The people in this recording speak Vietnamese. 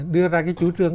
đưa ra cái chủ trương